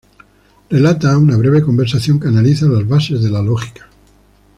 Relata una breve conversación que analiza las bases de la lógica.